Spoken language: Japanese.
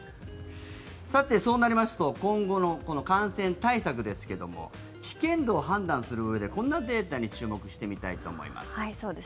さて、そうなりますと今後の感染対策ですが危険度を判断するうえでこんなデータに注目してみたいと思います。